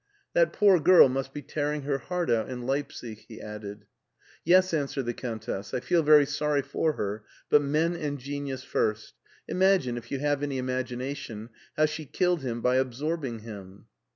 " That poor girl must be tearing her heart out in Leipsic," he added. " Yes/* answered the Countess ;" I feel very sorry for her, but men and genius first. Imagine, if you have any imagination, how she killed him by absorbing him.